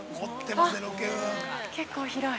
◆結構広い。